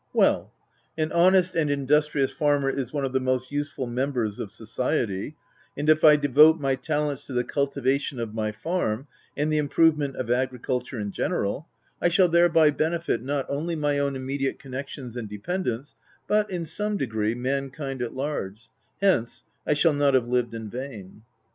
" Well !— an honest and industrious farmer is one of the most useful members of society ; and if 1 devote my talents to the cultivation of my farm, and the improvement of agriculture in general, I shall thereby benefit, not only my own immediate connections and dependants, but in some degree, mankind at large :— hence I shall not have lived in vain."